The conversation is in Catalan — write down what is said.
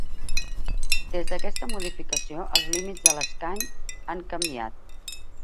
Des d'aquesta modificació, els límits de l'escany han canviat.